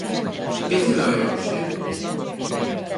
Que che doe hoxe?